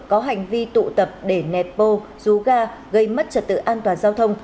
có hành vi tụ tập để netpo ruga gây mất trật tự an toàn giao thông